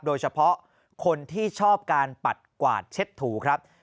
โดยเฉพาะคนที่ชอบการปัดกวาดเช็ดถูครับ